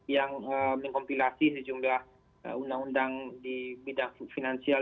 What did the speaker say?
yang mengkompilasi sejumlah undang undang di bidang finansial